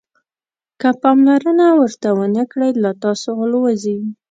که پاملرنه ورته ونه کړئ له تاسو الوزي.